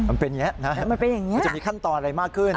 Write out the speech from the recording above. มันเป็นอย่างนี้นะมันจะมีขั้นตอนอะไรมากขึ้น